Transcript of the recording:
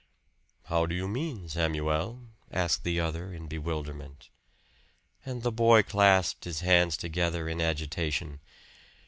"How do you mean, Samuel?" asked the other in bewilderment. And the boy clasped his hands together in his agitation.